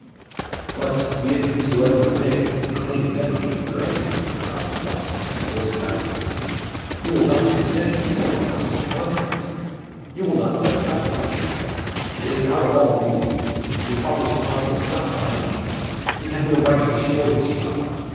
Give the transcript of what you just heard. "But, be it whomsoever it may, the claim never can be granted," cried Sir Jocelyn, in a voice of agony. "You will not consent to be bound by such a contract. You will not thus sacrifice yourself. It is out of all reason. Your father's promise cannot bind you. He had no right to destroy his child.